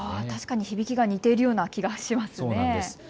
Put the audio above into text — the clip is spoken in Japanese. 確かに響きが似ているような気がします。